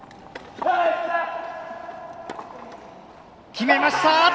決めました！